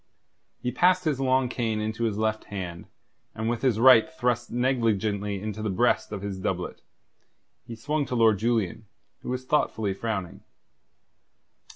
He passed his long cane into his left hand, and with his right thrust negligently into the breast of his doublet, he swung to Lord Julian, who was thoughtfully frowning.